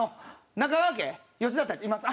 「中川家吉田たちいます。